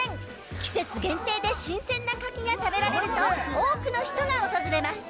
季節限定で新鮮なカキが食べられると多くの人が訪れます。